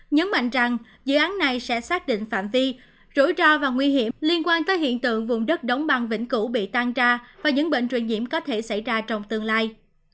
nhấn mạnh rằng dự án này sẽ xác định phạm vi rủi ro và nguy hiểm liên quan tới hiện tượng vùng đất đóng băng vĩnh cửu bị tan ra và những bệnh truyền nhiễm có thể xảy ra trong tương lai